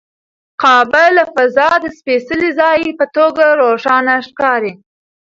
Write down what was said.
کعبه له فضا د سپېڅلي ځای په توګه روښانه ښکاري.